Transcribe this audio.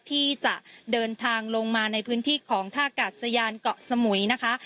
ที่จะเดินทางลงมาในพื้นที่ของท่ากาศยานเกาะสมุยนะคะ